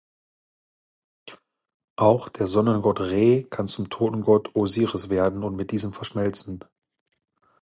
Auch der Sonnengott Re kann zum Totengott Osiris werden und mit diesem verschmelzen.